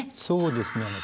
そうですね。